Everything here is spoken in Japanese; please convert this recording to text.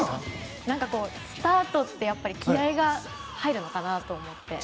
スタートって気合が入るのかなと思って。